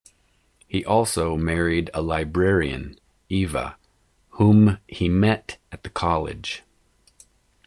He also married a librarian, Eva, whom he met at the college.